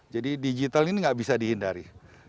jadi digital ini tidak bisa dihindari